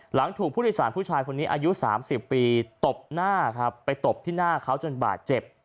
หลังถูกผู้โดยสารผู้ชายคนนี้อายุ๓๐ปีตบหน้าครับไปตบที่หน้าเขาจนบาดเจ็บ